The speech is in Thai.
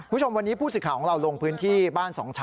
คุณผู้ชมวันนี้ผู้สื่อข่าวของเราลงพื้นที่บ้านสองชั้น